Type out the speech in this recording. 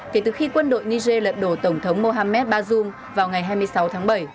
kể từ khi quân đội niger lật đổ tổng thống mohamed bazoum vào ngày hai mươi sáu tháng bảy